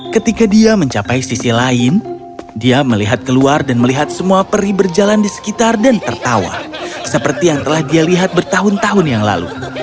ketika dia mencapai sisi lain dia melihat keluar dan melihat semua peri berjalan di sekitar dan tertawa seperti yang telah dia lihat bertahun tahun yang lalu